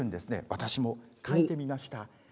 私も描いてみました。